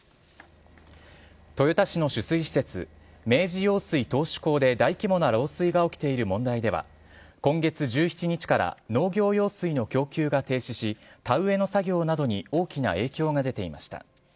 豊田市の取水施設、明治用水頭首工で大規模な漏水が起きている問題では、今月１７日から農業用水の供給が停止し、田植えの作業などに大きな影響が出ていました。